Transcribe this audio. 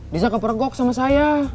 diza kepergok sama saya